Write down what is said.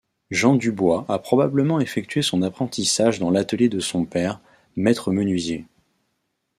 Jean Dubois a probablement effectué son apprentissage dans l'atelier de son père, maître menuisier.